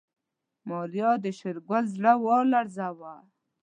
ماريا د شېرګل زړه ولړزاوه.